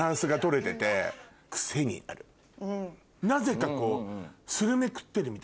なぜかこう。